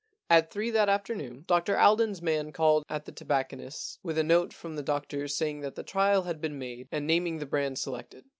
At three that afternoon Dr Alden's man called at the tobacconist's with a note from the doctor saying that the trial had been made and naming the brand selected.